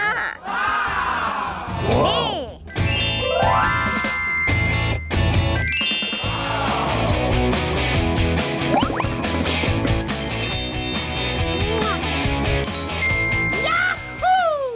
นี่